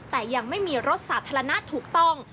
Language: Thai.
แต่ยังไม่มีรถสาธารณะถูกต้อง